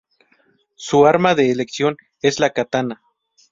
Su arma de elección es la katana.